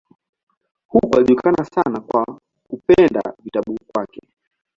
Huko alijulikana sana kwa kupenda vitabu kwake.